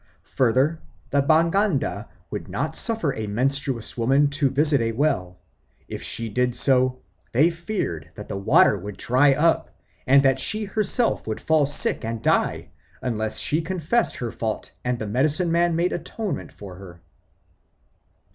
Further, the Baganda would not suffer a menstruous woman to visit a well; if she did so, they feared that the water would dry up, and that she herself would fall sick and die, unless she confessed her fault and the medicine man made atonement for her.